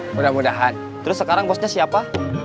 mudah mudahan terus sekarang bosnya siapa